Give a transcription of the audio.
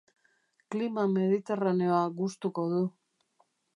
Klima mediterraneoa gustuko du.